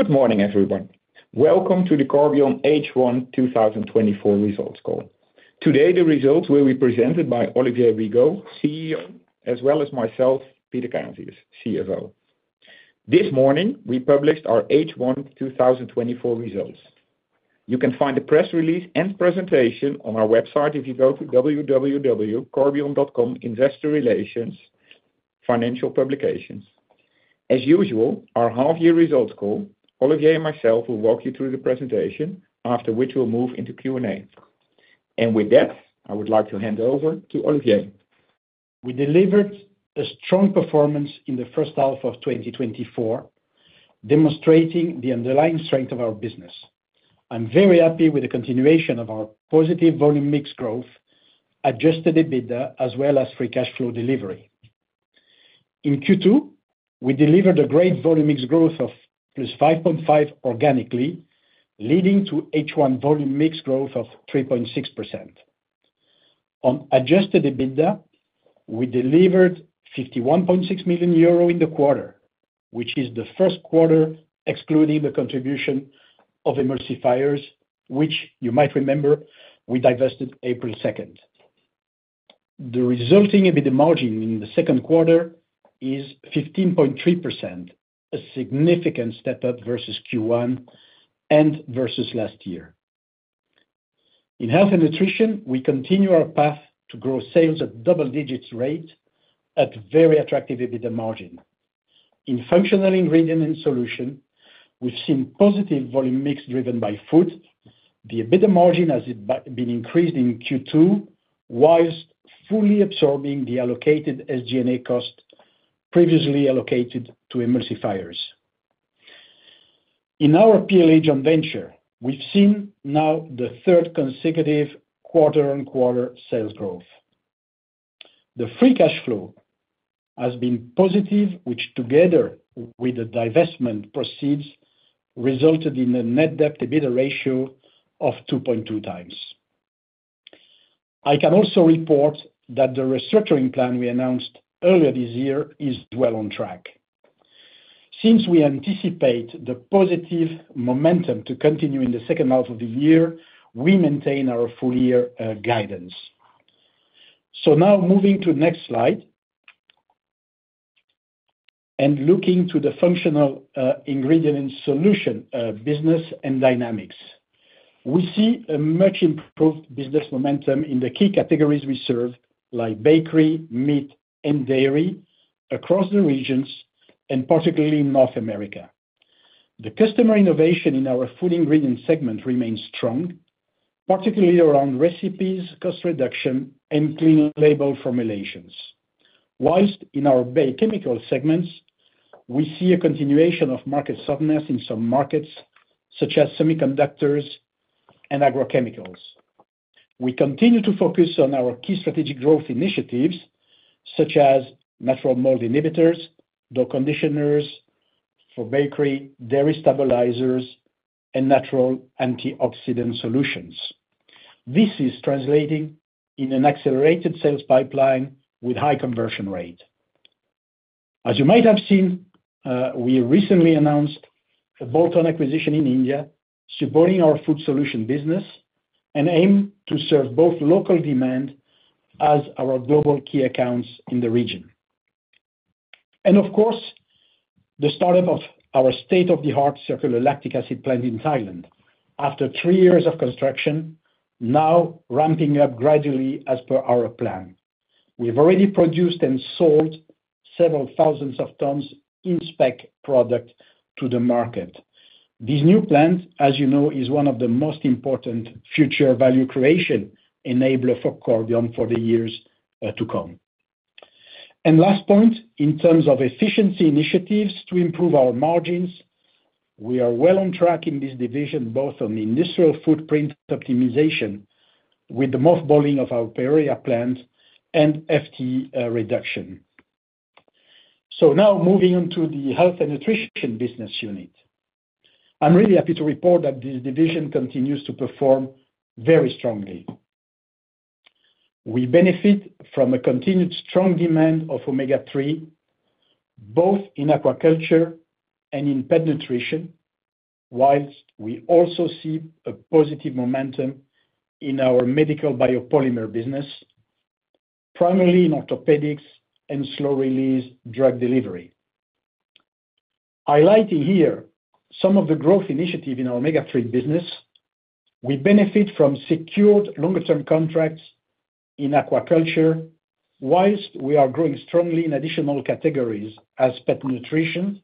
Good morning, everyone. Welcome to the Corbion H1 2024 Results Call. Today, the results will be presented by Olivier Rigaud, CEO, as well as myself, Peter Kijntjes, CFO. This morning, we published our H1 2024 results. You can find the press release and presentation on our website if you go to www.corbion.com/investor relations, financial publications. As usual, our half year results call, Olivier and myself will walk you through the presentation, after which we'll move into Q&A. With that, I would like to hand over to Olivier. We delivered a strong performance in the first half of 2024, demonstrating the underlying strength of our business. I'm very happy with the continuation of our positive volume mix growth, adjusted EBITDA, as well as free cash flow delivery. In Q2, we delivered a great volume mix growth of +5.5 organically, leading to H1 volume mix growth of 3.6%. On adjusted EBITDA, we delivered 51.6 million euro in the quarter, which is the first quarter excluding the contribution of emulsifiers, which you might remember, we divested April 2. The resulting EBITDA margin in the second quarter is 15.3%, a significant step up versus Q1 and versus last year. In health and nutrition, we continue our path to grow sales at double digits rate at very attractive EBITDA margin. In functional ingredient and solution, we've seen positive volume mix driven by food. The EBITDA margin has been increased in Q2, while fully absorbing the allocated SG&A cost previously allocated to emulsifiers. In our PLA joint venture, we've seen now the third consecutive quarter-over-quarter sales growth. The free cash flow has been positive, which together with the divestment proceeds, resulted in a net debt/EBITDA ratio of 2.2 times. I can also report that the restructuring plan we announced earlier this year is well on track. Since we anticipate the positive momentum to continue in the second half of the year, we maintain our full year guidance. So now moving to the next slide and looking to the functional ingredient and solution business and dynamics. We see a much-improved business momentum in the key categories we serve, like bakery, meat, and dairy, across the regions, and particularly in North America. The customer innovation in our food ingredient segment remains strong, particularly around recipes, cost reduction, and clean label formulations. While in our biochemical segments, we see a continuation of market softness in some markets, such as semiconductors and agrochemicals. We continue to focus on our key strategic growth initiatives, such as natural mold inhibitors, dough conditioners for bakery, dairy stabilizers, and natural antioxidant solutions. This is translating in an accelerated sales pipeline with high conversion rate. As you might have seen, we recently announced a bolt-on acquisition in India, supporting our food solutions business and aim to serve both local demand as our global key accounts in the region. Of course, the startup of our state-of-the-art circular lactic acid plant in Thailand, after three years of construction, now ramping up gradually as per our plan. We've already produced and sold several thousands of tons in spec product to the market. This new plant, as you know, is one of the most important future value creation enabler for Corbion for the years to come. And last point, in terms of efficiency initiatives to improve our margins, we are well on track in this division, both on industrial footprint optimization, with the mothballing of our Peoria plant and FTE reduction. So now moving on to the health and nutrition business unit. I'm really happy to report that this division continues to perform very strongly. We benefit from a continued strong demand of omega-3, both in aquaculture and in pet nutrition, while we also see a positive momentum in our medical biopolymer business, primarily in orthopedics and slow-release drug delivery. Highlighting here, some of the growth initiative in our omega-3 business, we benefit from secured longer-term contracts in aquaculture, while we are growing strongly in additional categories as pet nutrition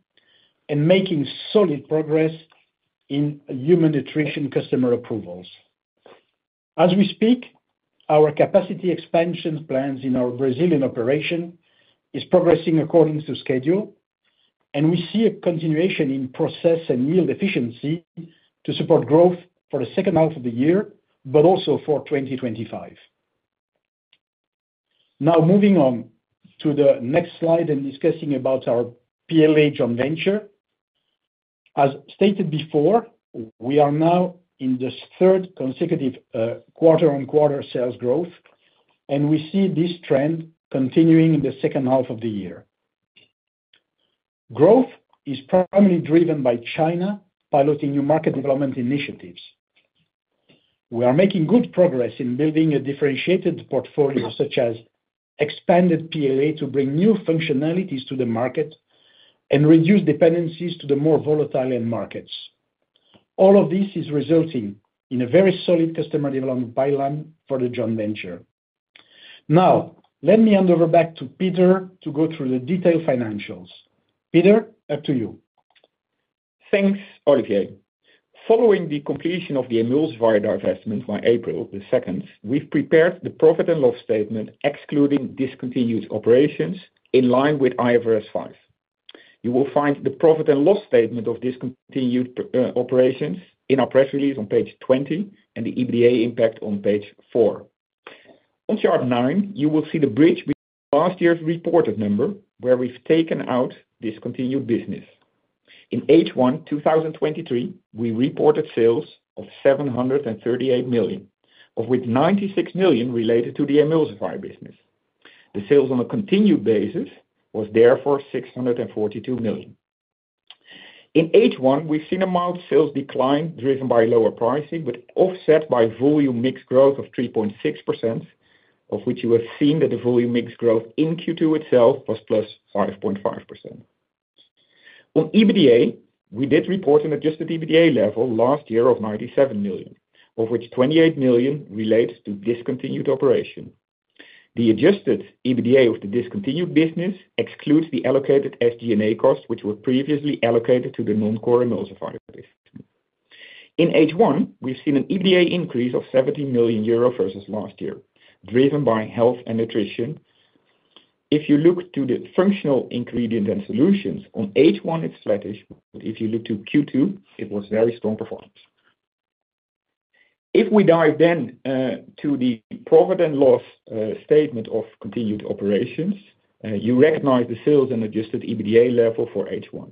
and making solid progress in human nutrition customer approvals. As we speak, our capacity expansion plans in our Brazilian operation is progressing according to schedule, and we see a continuation in process and yield efficiency to support growth for the second half of the year, but also for 2025. Now, moving on to the next slide and discussing about our PLA joint venture. As stated before, we are now in the third consecutive quarter on quarter sales growth. We see this trend continuing in the second half of the year. Growth is primarily driven by China, piloting new market development initiatives. We are making good progress in building a differentiated portfolio, such as expanded PLA, to bring new functionalities to the market and reduce dependencies to the more volatile end markets. All of this is resulting in a very solid customer development pipeline for the joint venture. Now, let me hand over back to Peter to go through the detailed financials. Peter, up to you. Thanks, Olivier. Following the completion of the emulsifier divestment by April 2, we've prepared the profit and loss statement, excluding discontinued operations in line with IFRS 5. You will find the profit and loss statement of discontinued operations in our press release on page 20, and the EBITDA impact on page 4. On chart 9, you will see the bridge between last year's reported number, where we've taken out discontinued business. In H1 2023, we reported sales of 738 million, of which 96 million related to the emulsifier business. The sales on a continued basis was therefore 642 million. In H1, we've seen a mild sales decline driven by lower pricing, but offset by volume mix growth of 3.6%, of which you have seen that the volume mix growth in Q2 itself was +5.5%. On EBITDA, we did report an adjusted EBITDA level last year of 97 million, of which 28 million relates to discontinued operation. The adjusted EBITDA of the discontinued business excludes the allocated SG&A costs, which were previously allocated to the non-core emulsifier business. In H1, we've seen an EBITDA increase of 70 million euros versus last year, driven by health and nutrition. If you look to the functional ingredient and solutions, on H1, it's sluggish, but if you look to Q2, it was very strong performance. If we dive then to the profit and loss statement of continued operations, you recognize the sales and adjusted EBITDA level for H1.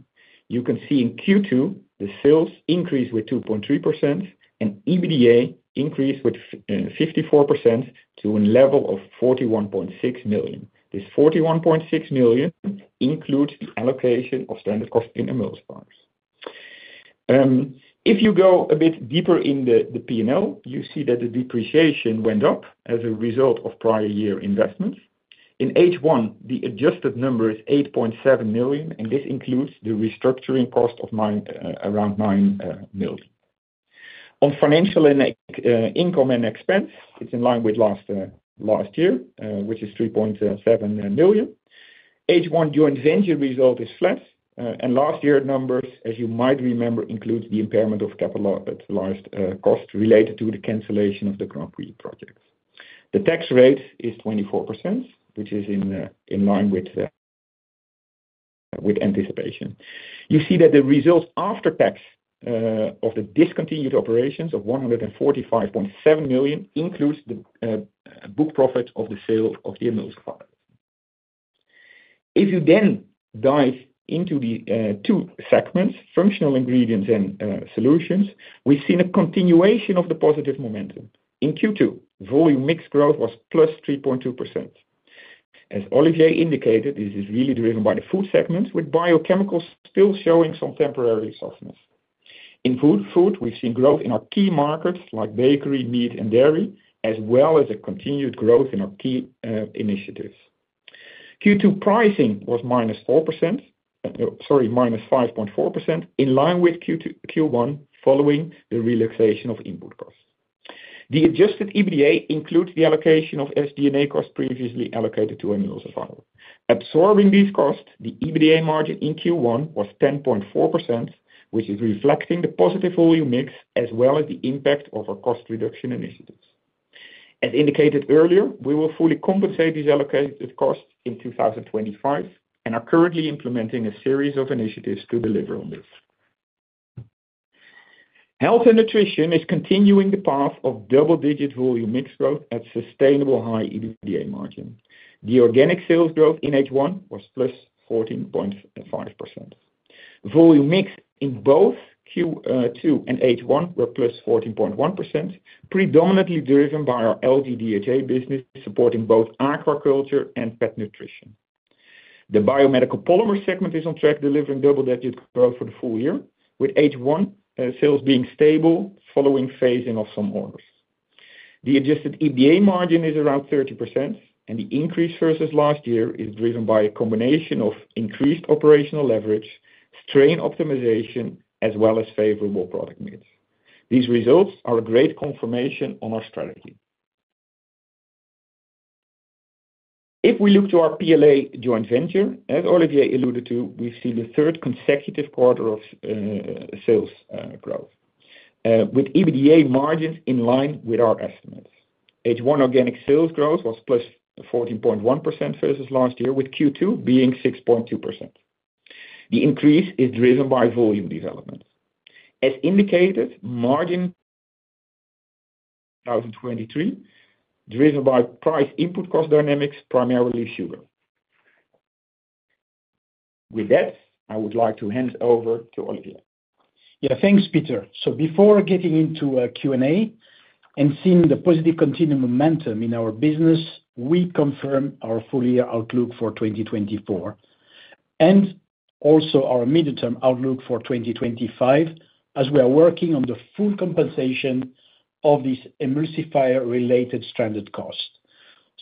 You can see in Q2, the sales increased with 2.3%, and EBITDA increased with 54% to a level of 41.6 million. This 41.6 million includes the allocation of standard cost in emulsifiers. If you go a bit deeper in the P&L, you see that the depreciation went up as a result of prior year investments. In H1, the adjusted number is 8.7 million, and this includes the restructuring cost of around 9 million. On financial and other income and expense, it's in line with last year, which is 3.7 million. H1 joint venture result is flat. And last year's numbers, as you might remember, includes the impairment of capitalized costs related to the cancellation of the Grandpuits projects. The tax rate is 24%, which is in line with anticipation. You see that the results after tax of the discontinued operations of 145.7 million includes the book profit of the sale of the emulsifier. If you then dive into the two segments, functional ingredients and solutions, we've seen a continuation of the positive momentum. In Q2, volume mix growth was +3.2%. As Olivier indicated, this is really driven by the food segment, with biochemicals still showing some temporary softness. In food, we've seen growth in our key markets, like bakery, meat, and dairy, as well as a continued growth in our key initiatives. Q2 pricing was minus four percent, sorry, -5.4%, in line with Q1, following the relaxation of input costs. The adjusted EBITDA includes the allocation of SDNA costs previously allocated to emulsifier. Absorbing these costs, the EBITDA margin in Q1 was 10.4%, which is reflecting the positive volume mix, as well as the impact of our cost reduction initiatives. As indicated earlier, we will fully compensate these allocated costs in 2025 and are currently implementing a series of initiatives to deliver on this. Health and nutrition is continuing the path of double-digit volume mix growth at sustainable high EBITDA margin. The organic sales growth in H1 was +14.5%. Volume mix in both Q2 and H1 were +14.1%, predominantly driven by our algae DHA business, supporting both agriculture and pet nutrition. The biomedical polymer segment is on track, delivering double-digit growth for the full year, with H1 sales being stable following phasing of some orders. The adjusted EBITDA margin is around 30%, and the increase versus last year is driven by a combination of increased operational leverage, strain optimization, as well as favorable product mix. These results are a great confirmation on our strategy. If we look to our PLA joint venture, as Olivier alluded to, we've seen the third consecutive quarter of sales growth, with EBITDA margins in line with our estimates. H1 organic sales growth was +14.1% versus last year, with Q2 being 6.2%. The increase is driven by volume development. As indicated, margin 2023, driven by price input cost dynamics, primarily sugar. With that, I would like to hand over to Olivier. Yeah, thanks, Peter. So before getting into Q&A and seeing the positive continued momentum in our business, we confirm our full year outlook for 2024, and also our midterm outlook for 2025, as we are working on the full compensation of this emulsifier-related stranded cost.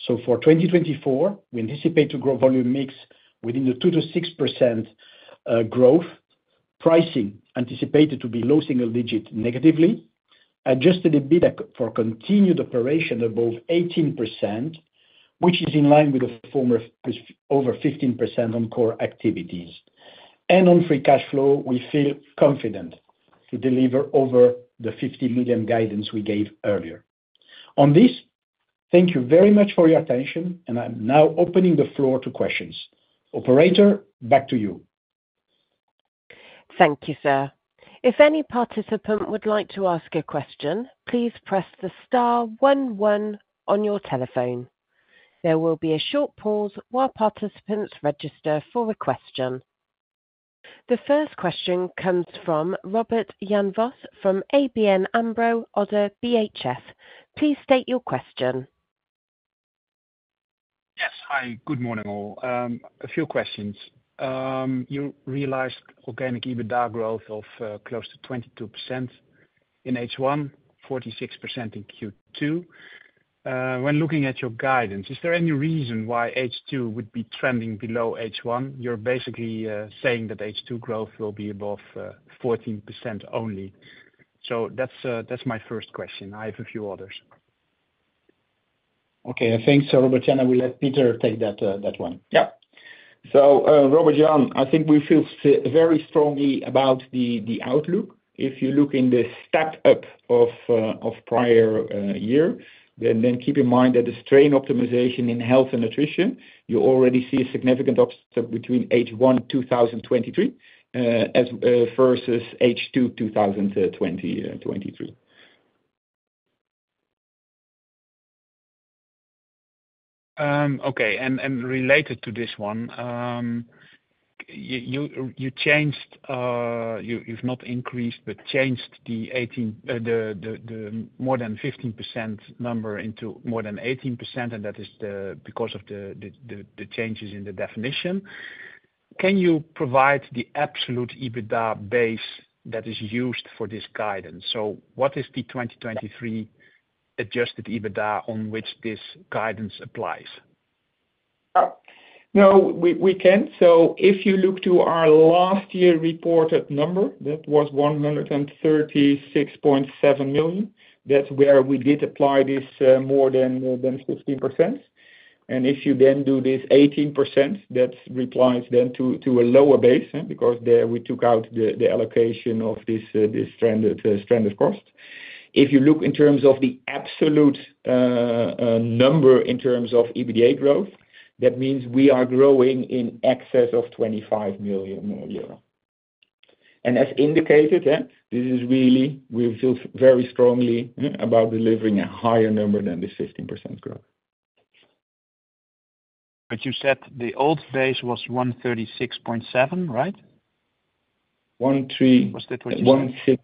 So, for 2024, we anticipate to grow volume mix within the 2%-6% growth. Pricing anticipated to be low single digit negatively. Adjusted EBITDA for continuing operations above 18%, which is in line with the former, over 15% on core activities. And on free cash flow, we feel confident to deliver over the 50 million guidance we gave earlier. On this, thank you very much for your attention, and I'm now opening the floor to questions. Operator, back to you. Thank you, sir. If any participant would like to ask a question, please press the star one one on your telephone. There will be a short pause while participants register for a question. The first question comes from Robert Jan Vos from ABN AMRO ODDO BHF. Please state your question. Yes. Hi, good morning, all. A few questions: you realized organic EBITDA growth of close to 22% in H1, 46% in Q2. When looking at your guidance, is there any reason why H2 would be trending below H1? You're basically saying that H2 growth will be above 14% only. So that's, that's my first question. I have a few others. Okay, thanks, Robert Jan. I will let Peter take that one. Yeah. So, Robert Jan, I think we feel very strongly about the, the outlook. If you look in the stacked up of, of prior, year, then, then keep in mind that the strain optimization in health and nutrition, you already see a significant offset between H1 2023 as versus H2 2023. Okay, and related to this one, you changed, you've not increased, but changed the 18, the more than 15% number into more than 18%, and that is because of the changes in the definition. Can you provide the absolute EBITDA base that is used for this guidance? So, what is the 2023 adjusted EBITDA on which this guidance applies? No, we can. So, if you look to our last year reported number, that was 136.7 million. That's where we did apply this more than 15%. And if you then do this 18%, that applies then to a lower base, because there we took out the allocation of this stranded cost. If you look in terms of the absolute number, in terms of EBITDA growth, that means we are growing in excess of 25 million euro more. And as indicated, yeah, this is really, we feel very strongly about delivering a higher number than the 15% growth. You said the old base was 136.7, right? 1, 3- Was that what you-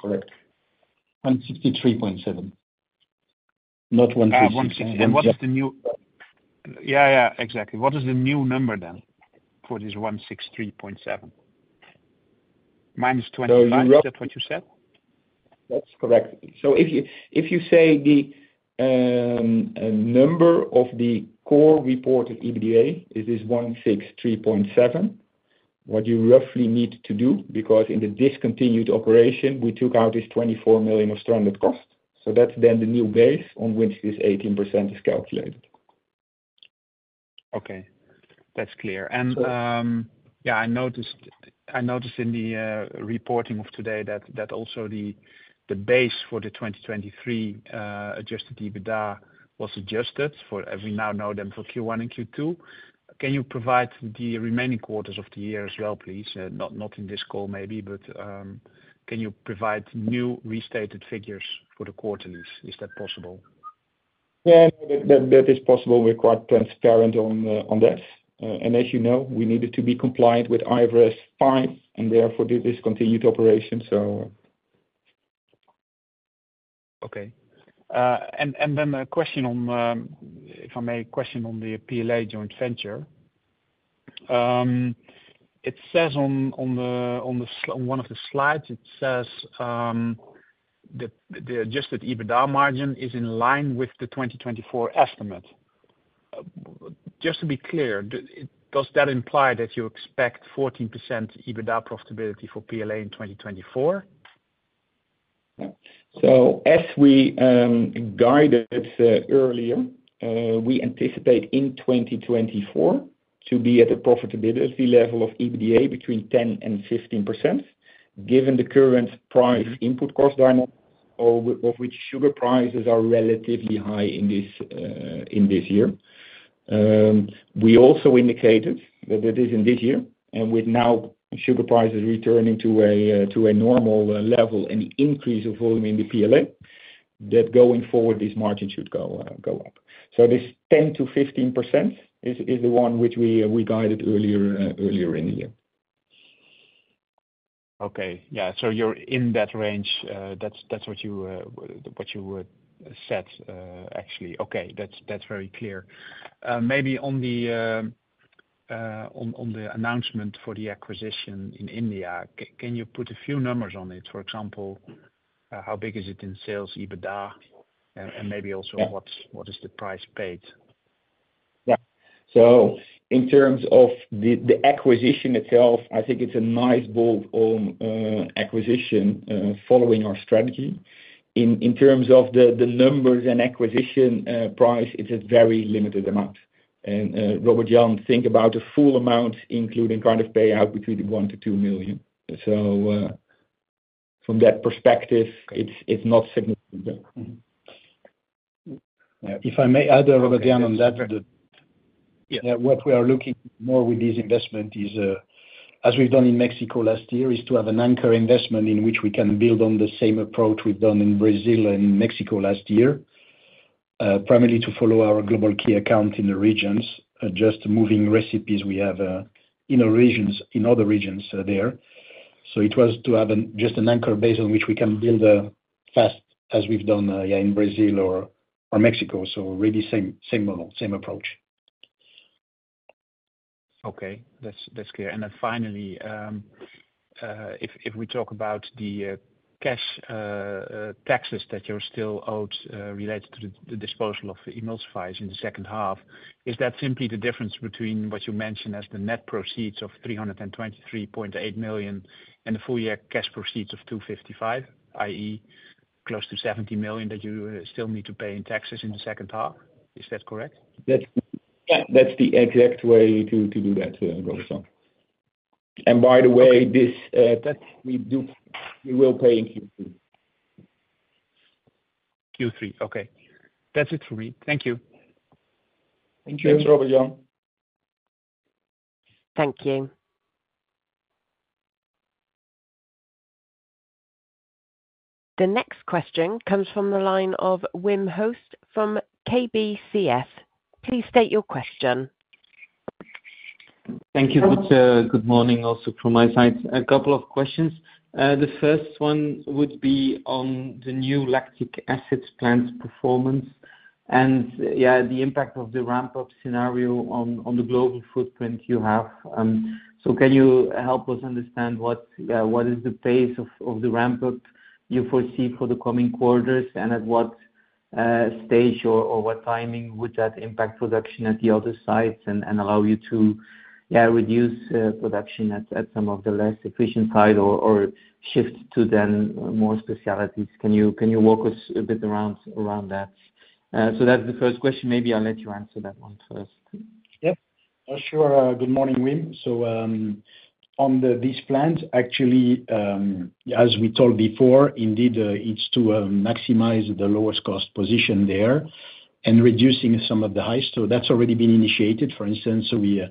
Correct. 163.7, not 13- Ah, 16. And what is the new-- Yeah, yeah, exactly. What is the new number then, for this 163.7? Minus 25, is that what you said? That's correct. So, if you say the number of the core reported EBITDA, it is 163.7. What you roughly need to do, because in the discontinued operation, we took out this 24 million of stranded cost, so that's then the new base on which this 18% is calculated. Okay. That's clear. So- Yeah, I noticed, I noticed in the reporting of today that also the base for the 2023 adjusted EBITDA was adjusted for, as we now know, then for Q1 and Q2. Can you provide the remaining quarters of the year as well, please? Not in this call, maybe, but can you provide new restated figures for the quarterlies? Is that possible? Yeah, that is possible. We're quite transparent on that. And as you know, we needed to be compliant with IFRS 5, and therefore the discontinued operation, so. Okay. And then a question on, if I may, a question on the PLA joint venture. It says on one of the slides, it says the adjusted EBITDA margin is in line with the 2024 estimate. Just to be clear, does that imply that you expect 14% EBITDA profitability for PLA in 2024? So, as we guided earlier, we anticipate in 2024 to be at a profitability level of EBITDA between 10% and 15%, given the current price input cost dynamic, of which sugar prices are relatively high in this year. We also indicated that it is in this year, and with now sugar prices returning to a normal level and increase of volume in the PLA that going forward, these margins should go up. So, this 10%-15% is the one which we guided earlier in the year. Okay. Yeah, so you're in that range, that's, that's what you, what you would set, actually. Okay. That's, that's very clear. Maybe on the announcement for the acquisition in India, can you put a few numbers on it? For example, how big is it in sales, EBITDA, and maybe also- Yeah. What is the price paid? Yeah. So, in terms of the acquisition itself, I think it's a nice bolt-on acquisition following our strategy. In terms of the numbers and acquisition price, it's a very limited amount. And Robert Jan, think about a full amount, including kind of payout between 1 million-2 million. So, from that perspective, it's not significant. Yeah, if I may add, Robert Jan, on that- Yeah. What we are looking more with this investment is, as we've done in Mexico last year, is to have an anchor investment in which we can build on the same approach we've done in Brazil and Mexico last year. Primarily to follow our global key account in the regions, just moving recipes we have, in the regions, in other regions, there. So, it was to have an, just an anchor base on which we can build, fast, as we've done, yeah, in Brazil or, or Mexico. So really same, same model, same approach. Okay. That's clear. And then finally, if we talk about the cash taxes that you still owed, related to the disposal of the emulsifiers in the second half, is that simply the difference between what you mentioned as the net proceeds of 323.8 million and the full year cash proceeds of 255 million, i.e., close to 70 million, that you still need to pay in taxes in the second half? Is that correct? That's, yeah, that's the exact way to do that, Robert Jan. And by the way- Okay... this, that we do, we will pay in Q3. Q3, okay. That's it for me. Thank you. Thank you. Thanks, Robert Jan. Thank you. The next question comes from the line of Wim Hoste from KBCS. Please state your question. Thank you, good, good morning also from my side. A couple of questions. The first one would be on the new lactic acid plant performance, and the impact of the ramp-up scenario on the global footprint you have. So, can you help us understand what is the pace of the ramp-up you foresee for the coming quarters, and at what stage or what timing would that impact production at the other sites and allow you to reduce production at some of the less efficient site or shift to then more specialties? Can you walk us a bit around that? So that's the first question. Maybe I'll let you answer that one first. Yeah. Sure. Good morning, Wim. So, on this plant, actually, as we told before, indeed, it's to maximize the lowest cost position there and reducing some of the highest. So that's already been initiated, for instance, so we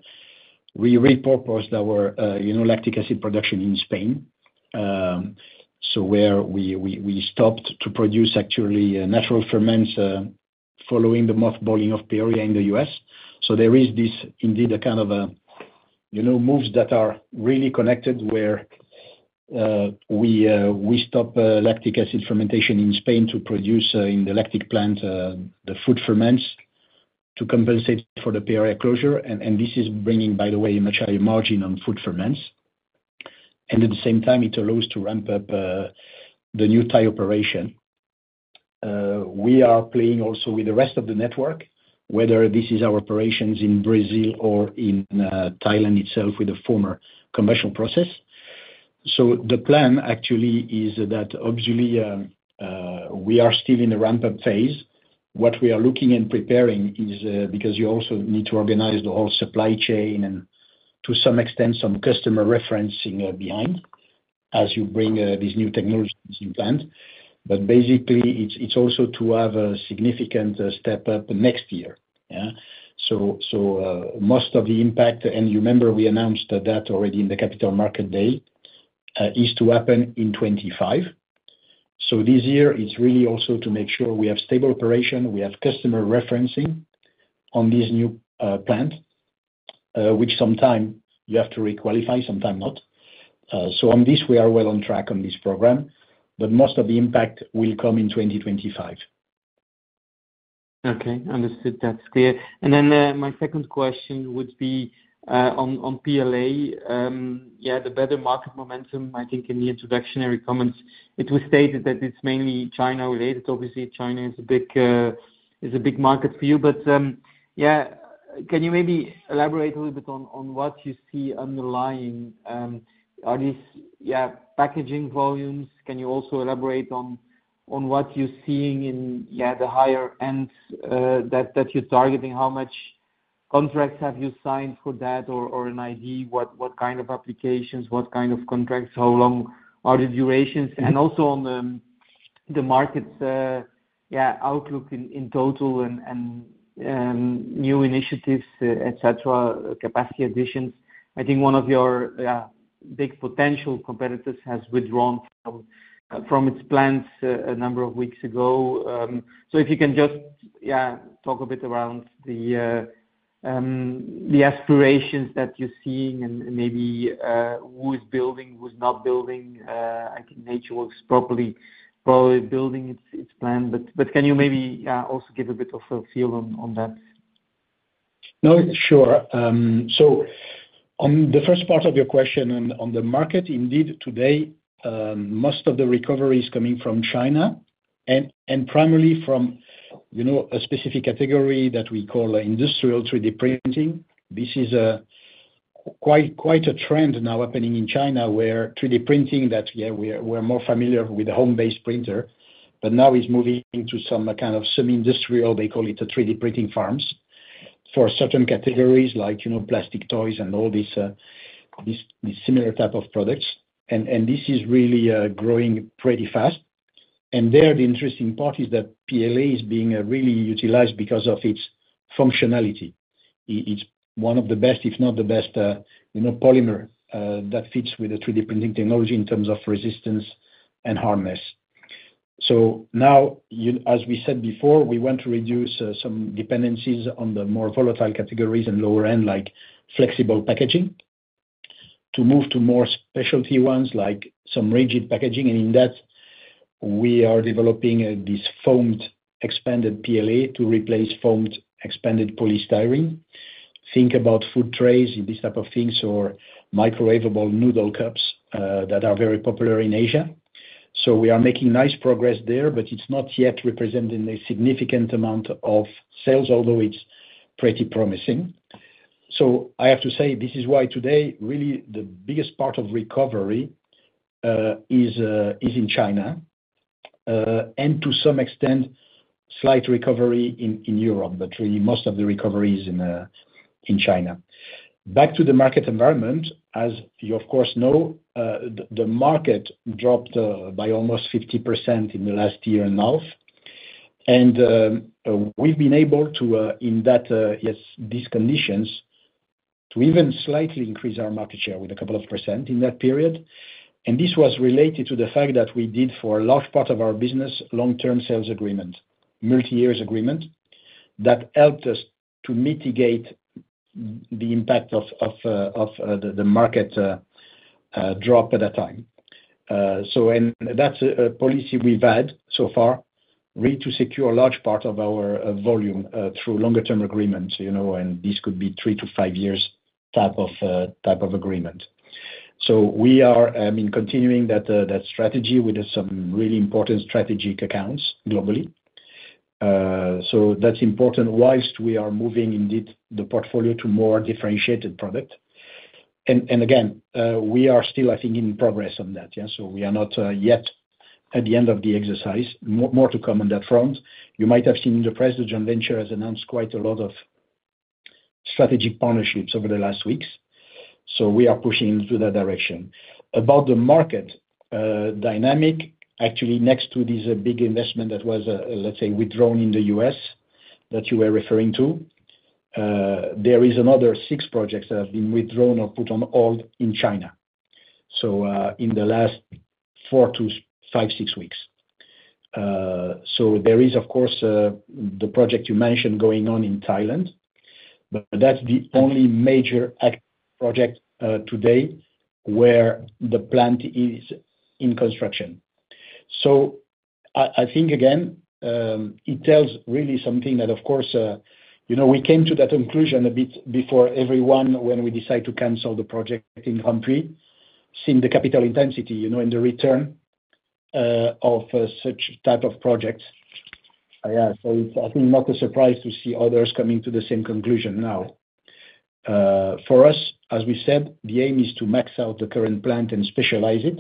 repurposed our, you know, lactic acid production in Spain. So where we stopped to produce actually natural ferments following the mothballing of Peoria in the US. So there is this indeed a kind of, you know, moves that are really connected, where we stop lactic acid fermentation in Spain to produce in the lactic plant the food ferments to compensate for the Peoria closure. And this is bringing, by the way, a much higher margin on food ferments. And at the same time, it allows to ramp up the new Thai operation. We are playing also with the rest of the network, whether this is our operations in Brazil or in Thailand itself, with a former commercial process. So, the plan actually is that obviously we are still in the ramp-up phase. What we are looking and preparing is because you also need to organize the whole supply chain and to some extent, some customer referencing behind, as you bring these new technologies in plant. But basically, it's also to have a significant step-up next year. Yeah. So, most of the impact, and you remember we announced that already in the Capital Market Day, is to happen in 2025. So, this year is really also to make sure we have stable operation, we have customer referencing on this new plant, which sometimes you have to re-qualify, sometimes not. So, on this, we are well on track on this program, but most of the impact will come in 2025. Okay, understood. That's clear. And then, my second question would be, on, on PLA. Yeah, the better market momentum, I think in the introductory comments, it was stated that it's mainly China-related. Obviously, China is a big, is a big market for you, but, yeah, can you maybe elaborate a little bit on, on what you see underlying? Are these, yeah, packaging volumes? Can you also elaborate on, on what you're seeing in, yeah, the higher end, that, that you're targeting? How much contracts have you signed for that, or, or an ID? What, what kind of applications, what kind of contracts, how long are the durations? Mm-hmm. Also on the markets, yeah, outlook in total and new initiatives, et cetera, capacity additions. I think one of your big potential competitors has withdrawn from its plans a number of weeks ago. So, if you can just, yeah, talk a bit around the aspirations that you're seeing and maybe who is building, who's not building. I think NatureWorks probably building its plan, but can you maybe also give a bit of a feel on that? No, sure. So, on the first part of your question, on the market, indeed, today, most of the recovery is coming from China and primarily from, you know, a specific category that we call industrial 3D printing. This is quite a trend now happening in China, where 3D printing, yeah, we are more familiar with the home-based printer, but now it's moving to some kind of industrial, they call it the 3D printing farms. For certain categories like, you know, plastic toys and all these, these similar types of products, and this is really growing pretty fast. And there, the interesting part is that PLA is being really utilized because of its functionality. It's one of the best, if not the best, you know, polymer that fits with the three-D printing technology in terms of resistance and hardness. So now, as we said before, we want to reduce some dependencies on the more volatile categories and lower end, like flexible packaging, to move to more specialty ones, like some rigid packaging, and in that, we are developing this foamed expanded PLA to replace foamed expanded polystyrene. Think about food trays and these type of things, or microwavable noodle cups that are very popular in Asia. So, we are making nice progress there, but it's not yet representing a significant amount of sales, although it's pretty promising. So, I have to say, this is why today, really the biggest part of recovery is in China, and to some extent, slight recovery in Europe, but really most of the recovery is in China. Back to the market environment, as you of course know, the market dropped by almost 50% in the last year and half, and we've been able to in that these conditions to even slightly increase our market share with a couple of percent in that period. And this was related to the fact that we did, for a large part of our business, long-term sales agreement, multi-years agreement, that helped us to mitigate the impact of the market drop at that time. So, and that's a policy we've had so far, really to secure a large part of our volume through longer term agreements, you know, and this could be three to five years type of agreement. So, we are in continuing that strategy with some really important strategic accounts globally. So that's important, whilst we are moving indeed the portfolio to more differentiated product. And again, we are still, I think, in progress on that, yeah, so we are not yet at the end of the exercise. More to come on that front. You might have seen in the press, the joint venture has announced quite a lot of strategic partnerships over the last weeks, so we are pushing into that direction. About the market dynamic, actually, next to this big investment that was, let's say, withdrawn in the U.S. that you were referring to, there is another 6 projects that have been withdrawn or put on hold in China, so in the last 4-6 weeks. So, there is, of course, the project you mentioned going on in Thailand, but that's the only major active project today where the plant is in construction. So, I, I think again, it tells really something that of course, you know, we came to that conclusion a bit before everyone when we decided to cancel the project in Grandpuits. Seeing the capital intensity, you know, and the return of such type of projects. Yeah, so it's, I think, not a surprise to see others coming to the same conclusion now. For us, as we said, the aim is to max out the current plant and specialize it.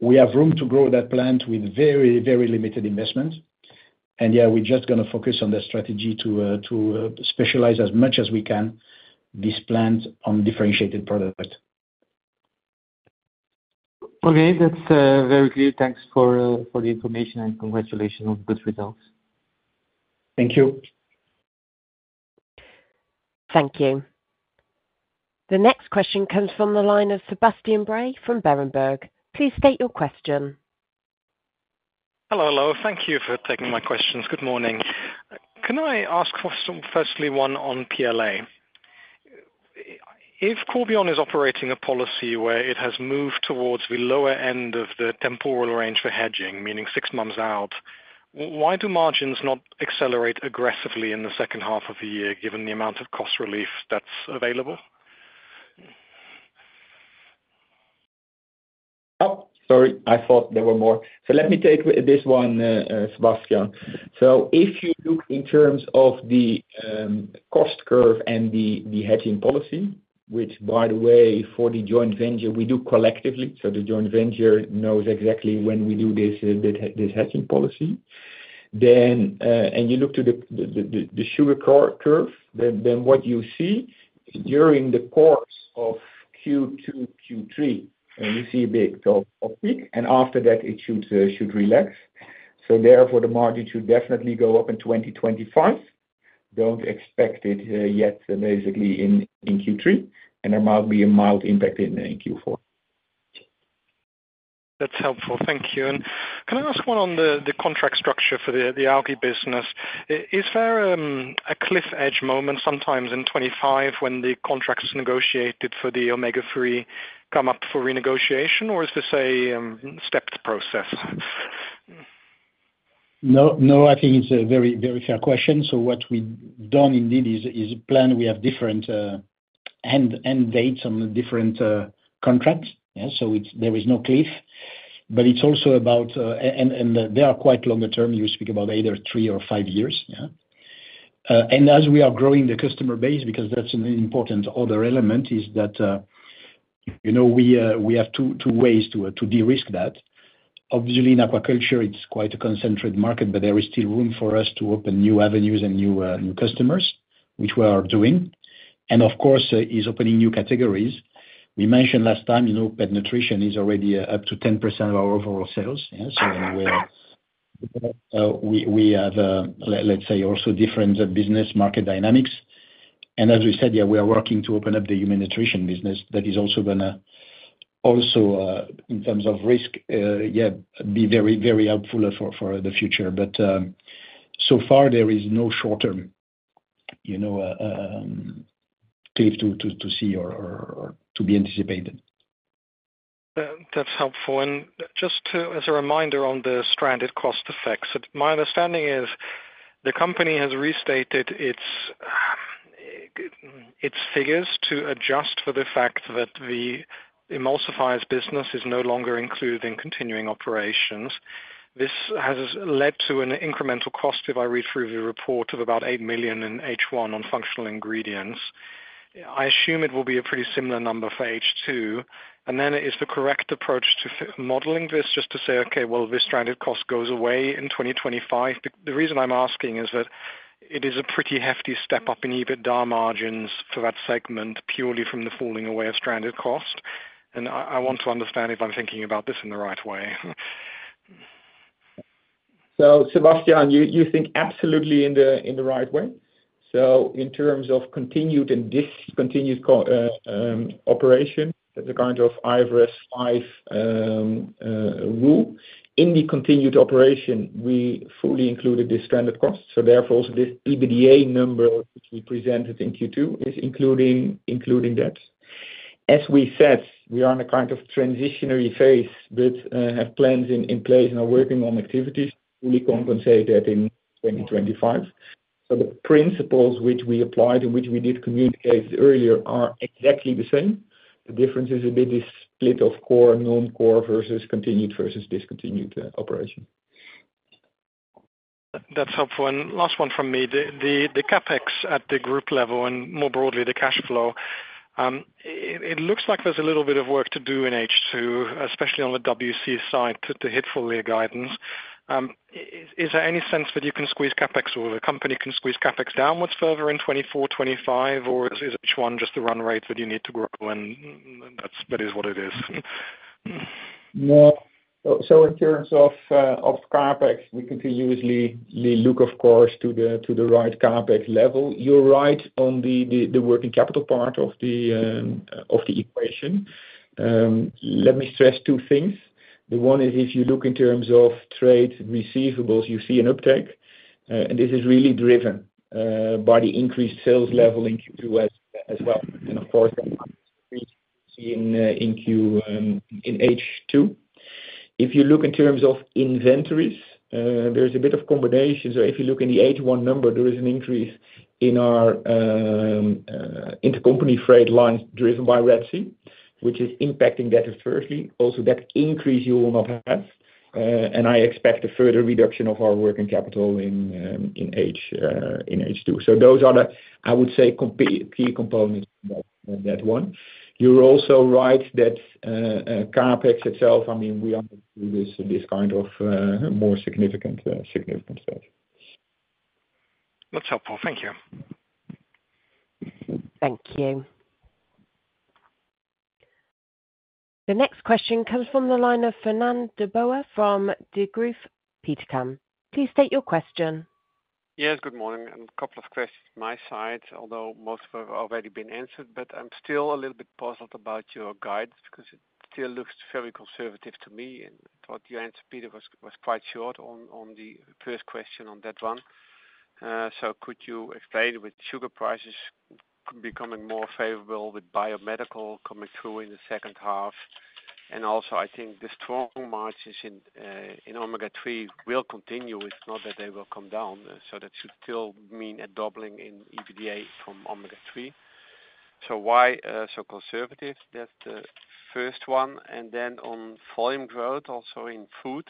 We have room to grow that plant with very, very limited investment, and yeah, we're just gonna focus on the strategy to specialize as much as we can these plants on differentiated product. Okay. That's very clear. Thanks for the information and congratulations on good results. Thank you. Thank you. The next question comes from the line of Sebastian Bray from Berenberg. Please state your question. Hello, hello. Thank you for taking my questions. Good morning. Can I ask firstly, one on PLA? If Corbion is operating a policy where it has moved towards the lower end of the temporal range for hedging, meaning six months out, why do margins not accelerate aggressively in the second half of the year, given the amount of cost relief that's available? Oh, sorry, I thought there were more. So let me take this one, Sebastian. So, if you look in terms of the cost curve and the hedging policy, which, by the way, for the joint venture, we do collectively, so the joint venture knows exactly when we do this hedging policy. Then, and you look to the sugar curve, then what you see during the course of Q2, Q3, and you see a big sort of peak, and after that it should relax. So therefore, the margin should definitely go up in 2025. Don't expect it yet basically in Q3, and there might be a mild impact in Q4. That's helpful, thank you. And can I ask one on the contract structure for the algae business? Is there a cliff edge moment sometimes in 2025 when the contracts negotiated for the omega-3 come up for renegotiation, or is this a stepped process? No, no, I think it's a very, very fair question. So, what we've done indeed is plan. We have different end dates on the different contracts, yeah? So, it's, there is no cliff, but it's also about, and they are quite longer term. You speak about either 3 or 5 years, yeah? And as we are growing the customer base, because that's an important other element, is that, you know, we have two ways to de-risk that. Obviously, in aquaculture, it's quite a concentrated market, but there is still room for us to open new avenues and new customers, which we are doing. And of course, is opening new categories. We mentioned last time, you know, pet nutrition is already up to 10% of our overall sales, yeah? So we are, we have, let's say also different business market dynamics. As we said, yeah, we are working to open up the human nutrition business. That is also gonna, also, in terms of risk, yeah, be very, very helpful for the future. But so far, there is no short-term, you know, cliff to see or to be anticipated. That's helpful. And just to, as a reminder on the stranded cost effects, my understanding is the company has restated its figures to adjust for the fact that the emulsifiers business is no longer included in continuing operations. This has led to an incremental cost, if I read through the report, of about 8 million in H1 on functional ingredients. I assume it will be a pretty similar number for H2. And then is the correct approach to modeling this, just to say, "Okay, well, this stranded cost goes away in 2025?" The reason I'm asking is that it is a pretty hefty step up in EBITDA margins for that segment, purely from the falling away of stranded cost, and I want to understand if I'm thinking about this in the right way. So, Sebastian, you think absolutely in the right way. So, in terms of continued and discontinued operation, the kind of IFRS 5 rule, in the continued operation, we fully included the stranded costs, so therefore, also this EBITDA number, which we presented in Q2, is including that. As we said, we are in a kind of transitional phase but have plans in place and are working on activities to fully compensate that in 2025. So, the principles which we applied and which we did communicate earlier are exactly the same. The difference is a bit of split of core, non-core versus continued versus discontinued operation. That's helpful, and last one from me. The CapEx at the group level, and more broadly, the cash flow, it looks like there's a little bit of work to do in H2, especially on the WC side, to hit full year guidance. Is there any sense that you can squeeze CapEx or the company can squeeze CapEx downwards further in 2024, 2025, or is H1 just the run rate that you need to grow and that is what it is? No. So in terms of CapEx, we continuously look, of course, to the right CapEx level. You're right on the working capital part of the equation. Let me stress two things. The one is, if you look in terms of trade receivables, you see an uptick, and this is really driven by the increased sales level in Q2 as well, and of course, in H2. If you look in terms of inventories, there's a bit of combination. So, if you look in the H1 number, there is an increase in our intercompany freight lines driven by Red Sea, which is impacting that adversity. Also, that increase you will not have, and I expect a further reduction of our working capital in H2. So those are the, I would say, key components of that, that one. You're also right that, CapEx itself, I mean, we are this, this kind of, more significant, significant sale. That's helpful. Thank you. Thank you. The next question comes from the line of Fernand de Boer from Degroof Petercam. Please state your question. Yes, good morning, and a couple of questions my side, although most have already been answered, but I'm still a little bit puzzled about your guide, because it still looks very conservative to me, and I thought your answer, Peter, was, was quite short on, on the first question on that one. So could you explain, with sugar prices becoming more favorable, with biomedical coming through in the second half, and also, I think the strong margins in, in omega-3 will continue. It's not that they will come down, so that should still mean a doubling in EBITDA from omega-3. So why, so conservative? That's the first one, and then on volume growth, also in food,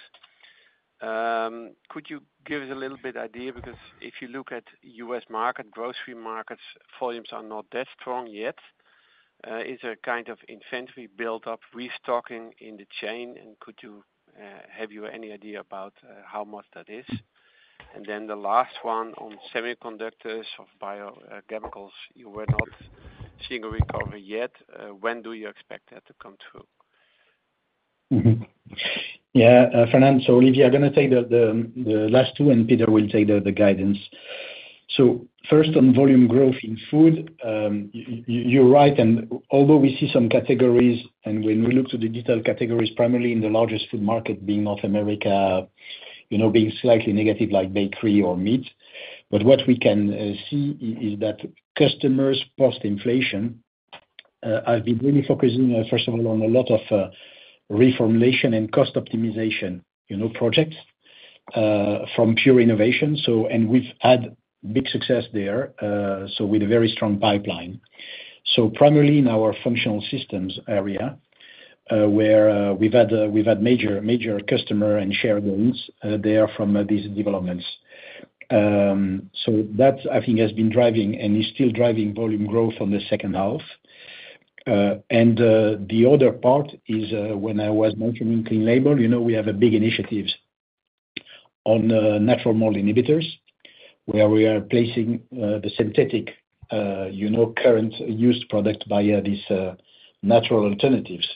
could you give us a little bit idea? Because if you look at U.S. market, grocery markets, volumes are not that strong yet. Is there a kind of inventory buildup, restocking in the chain? Could you have you any idea about how much that is? Then the last one, on semiconductors of biochemicals, you were not seeing a recovery yet. When do you expect that to come through? Yeah, Fernand, so Olivier, I'm gonna take the last two, and Peter will take the guidance. So, first, on volume growth in food, you're right, and although we see some categories, and when we look to the detailed categories, primarily in the largest food market being North America, you know, being slightly negative, like bakery or meat. But what we can see is that customers post inflation have been really focusing first of all on a lot of reformulation and cost optimization, you know, projects from pure innovation. So, and we've had big success there so with a very strong pipeline. So primarily in our functional systems area where we've had major, major customer and share gains there from these developments. So that, I think, has been driving and is still driving volume growth on the second half. And the other part is, when I was mentioning clean label, you know, we have a big initiatives on natural mold inhibitors, where we are placing the synthetic, you know, current used product via these natural alternatives.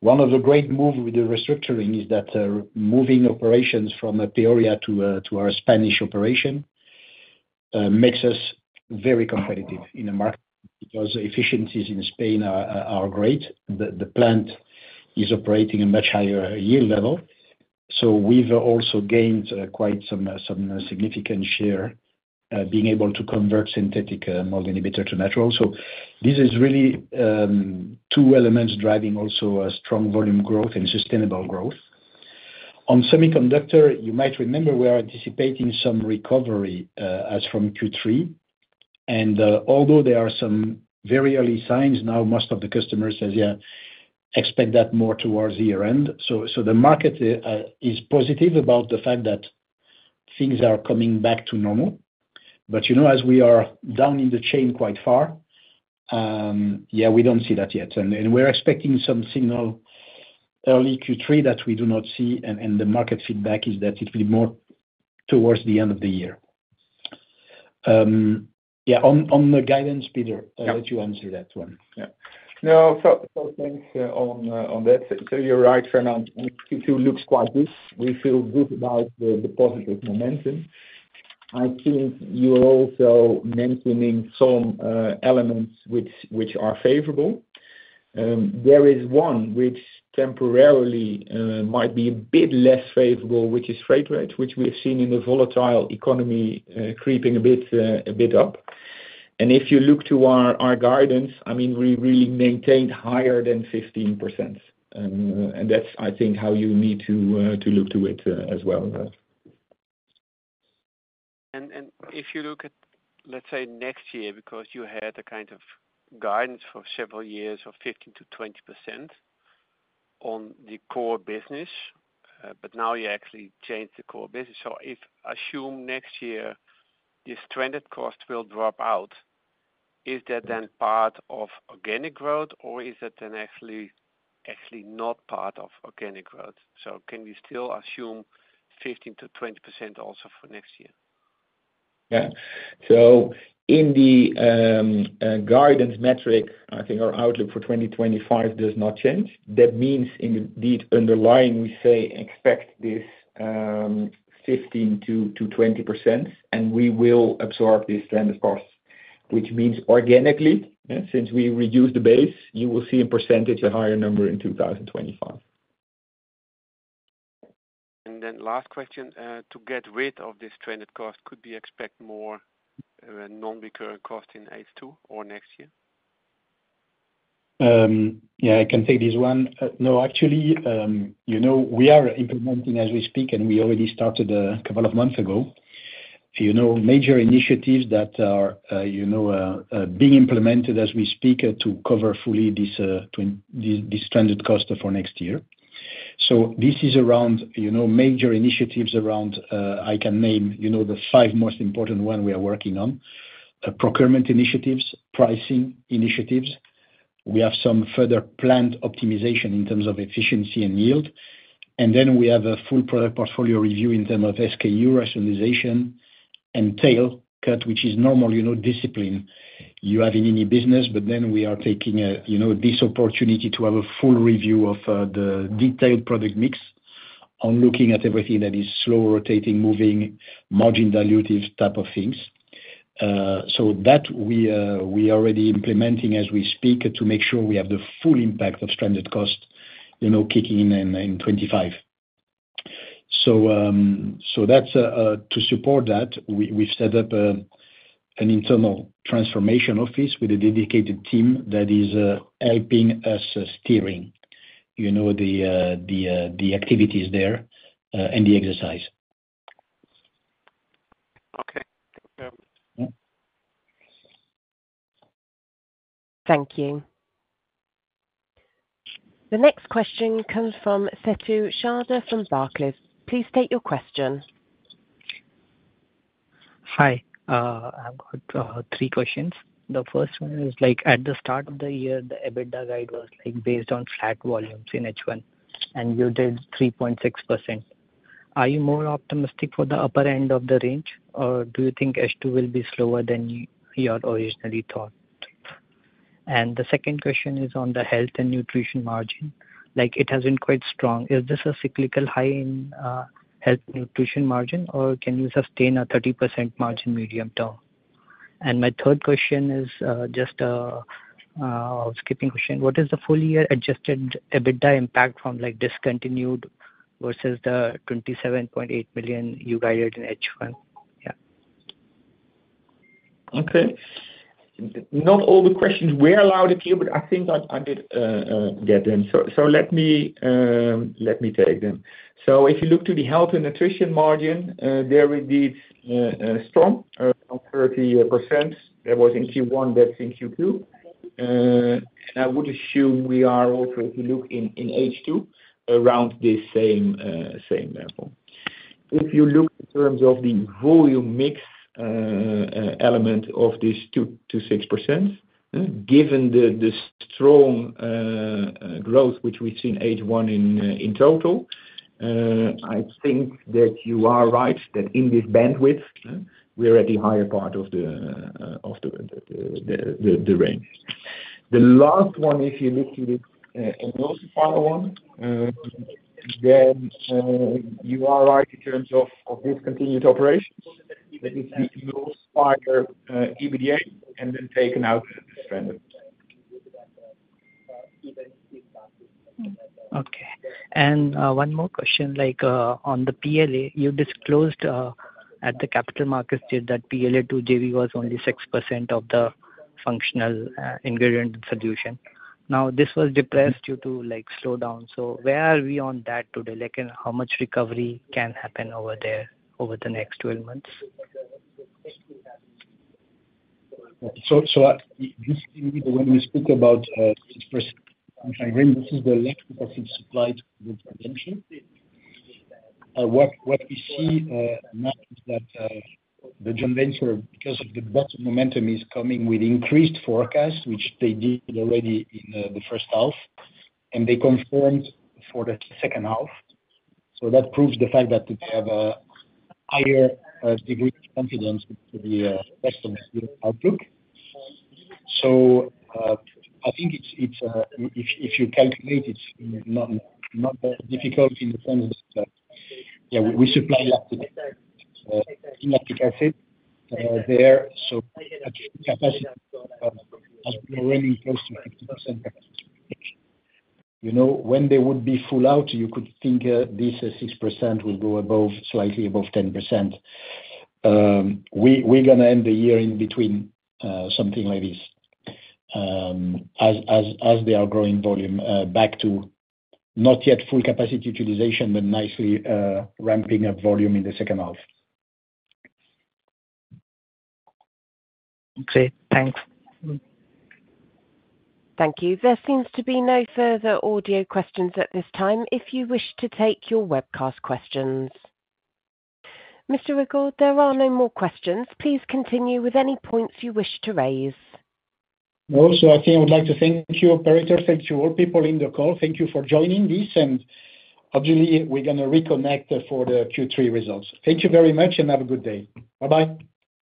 One of the great move with the restructuring is that moving operations from Peoria to our Spanish operation makes us very competitive in the market, because efficiencies in Spain are great. The plant is operating a much higher yield level, so we've also gained quite some significant share being able to convert synthetic mold inhibitor to natural. So this is really two elements driving also a strong volume growth and sustainable growth. On semiconductor, you might remember we are anticipating some recovery, as from Q3. And, although there are some very early signs, now most of the customers says, yeah, expect that more towards the year end. So the market is positive about the fact that things are coming back to normal. But, you know, as we are down in the chain quite far, yeah, we don't see that yet. And we're expecting some signal early Q3 that we do not see, and the market feedback is that it'll be more towards the end of the year. Yeah, on the guidance, Peter- Yeah. - I'll let you answer that one. Yeah. No, thanks on that. You're right, Fernand, and Q2 looks quite good. We feel good about the positive momentum. I think you're also mentioning some elements which are favorable. There is one which temporarily might be a bit less favorable, which is freight rates, which we have seen in the volatile economy creeping a bit up. And if you look to our guidance, I mean, we really maintained higher than 15%. And that's, I think, how you need to look to it as well. And if you look at, let's say, next year, because you had a kind of guidance for several years of 15%-20% on the core business, but now you actually changed the core business. So if assume next year, the stranded cost will drop out, is that then part of organic growth, or is that then actually not part of organic growth? So can we still assume 15%-20% also for next year? Yeah. So in the guidance metric, I think our outlook for 2025 does not change. That means indeed underlying, we say, expect this 15%-20%, and we will absorb these stranded costs, which means organically, yeah, since we reduced the base, you will see a percentage, a higher number in 2025. Last question. To get rid of this stranded cost, could we expect more non-recurring costs in H2 or next year? Yeah, I can take this one. No, actually, you know, we are implementing as we speak, and we already started a couple of months ago. You know, major initiatives that are, you know, being implemented as we speak, to cover fully this stranded cost for next year. So this is around, you know, major initiatives around. I can name, you know, the five most important ones we are working on: procurement initiatives, pricing initiatives, we have some further plant optimization in terms of efficiency and yield, and then we have a full product portfolio review in terms of SKU rationalization and tail cut, which is normal, you know, discipline you have in any business. But then we are taking, you know, this opportunity to have a full review of the detailed product mix on looking at everything that is slow-rotating, moving, margin-dilutive type of things. So that we are already implementing as we speak, to make sure we have the full impact of stranded costs, you know, kicking in, in 2025. So that's to support that, we've set up an internal transformation office with a dedicated team that is helping us steering, you know, the activities there, and the exercise. Okay. Yeah. Mm-hmm. Thank you. The next question comes from Setu Shah from Barclays. Please state your question. Hi, I've got three questions. The first one is, like, at the start of the year, the EBITDA guide was, like, based on flat volumes in H1, and you did 3.6%. Are you more optimistic for the upper end of the range, or do you think H2 will be slower than you had originally thought?... The second question is on the health and nutrition margin. Like, it has been quite strong. Is this a cyclical high in health nutrition margin, or can you sustain a 30% margin medium term? And my third question is just skipping question. What is the full year adjusted EBITDA impact from like discontinued versus the 27.8 million you guided in H1? Yeah. Okay. Not all the questions were allowed a few, but I think I did get them. So let me take them. So if you look to the health and nutrition margin, there indeed strong on 30%. That was in Q1, that's in Q2. And I would assume we are also, if you look in H2, around the same level. If you look in terms of the volume mix element of this 2%-6%, given the strong growth, which we've seen in H1 in total, I think that you are right, that in this bandwidth, we are at the higher part of the range. The last one, if you look to the, and also final one, then, you are right in terms of, of discontinued operations, that it will spark, EBITDA and then taken out trend. Okay. And, one more question, like, on the PLA, you disclosed, at the capital markets day that PLA JV was only 6% of the functional, ingredient solution. Now, this was depressed due to, like, slow down. So where are we on that today? Like, and how much recovery can happen over there over the next 12 months? So, basically, when we spoke about 6%, this is the lack of supply to the joint venture. What we see now is that the joint venture, because of the strong momentum, is coming with increased forecast, which they did already in the first half, and they confirmed for the second half. So that proves the fact that they have a higher degree of confidence with the customers' outlook. So, I think it's if you calculate it, it's not that difficult in the sense that, yeah, we supply lactic acid there, so capacity has been running close to 50%. You know, when they would be full out, you could think this 6% will go above, slightly above 10%. We're gonna end the year in between something like this, as they are growing volume back to not yet full capacity utilization, but nicely ramping up volume in the second half. Okay, thanks. Thank you. There seems to be no further audio questions at this time, if you wish to take your webcast questions. Mr. Rigaud, there are no more questions. Please continue with any points you wish to raise. Also, I think I would like to thank you, operator. Thank you all people in the call. Thank you for joining this, and obviously, we're gonna reconnect for the Q3 results. Thank you very much, and have a good day. Bye-bye!